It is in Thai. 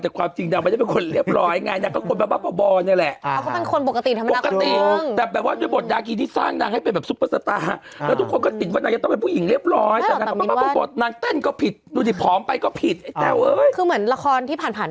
แต่ความจริงนางไม่ได้เป็นคนเรียบร้อย